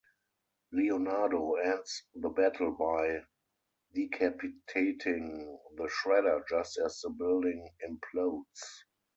Leonardo ends the battle by decapitating the Shredder just as the building implodes.